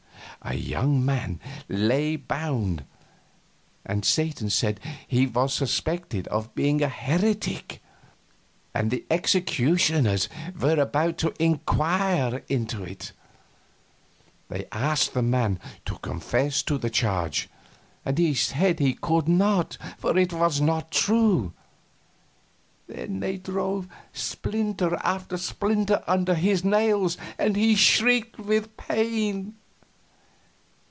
A young man lay bound, and Satan said he was suspected of being a heretic, and the executioners were about to inquire into it. They asked the man to confess to the charge, and he said he could not, for it was not true. Then they drove splinter after splinter under his nails, and he shrieked with the pain.